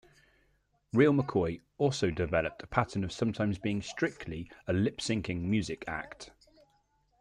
Real McCoy also developed a pattern of sometimes being strictly a lip-syncing music act.